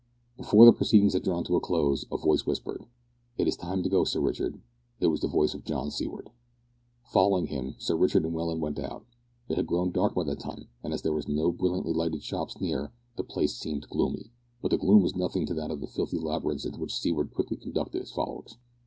Before the proceedings had drawn to a close a voice whispered: "It is time to go, Sir Richard." It was the voice of John Seaward. Following him, Sir Richard and Welland went out. It had grown dark by that time, and as there were no brilliantly lighted shops near, the place seemed gloomy, but the gloom was nothing to that of the filthy labyrinths into which Seaward quickly conducted his followers.